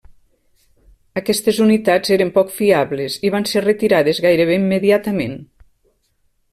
Aquestes unitats eren poc fiables i van ser retirades gairebé immediatament.